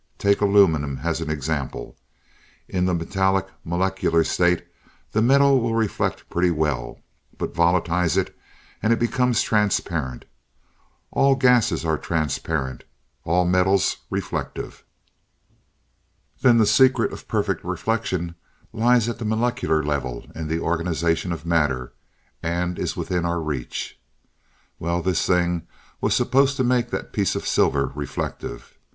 Take aluminum as an example. In the metallic molecule state, the metal will reflect pretty well. But volatilize it, and it becomes transparent. All gases are transparent, all metals reflective. Then the secret of perfect reflection lies at a molecular level in the organization of matter, and is within our reach. Well this thing was supposed to make that piece of silver reflective.